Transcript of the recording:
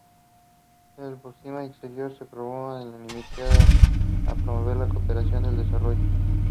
Walker attended Bethel High School.